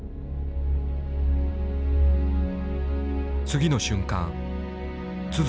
次の瞬間都